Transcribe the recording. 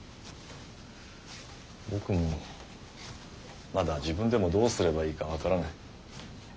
僕もまだ自分でもどうすればいいか分からない。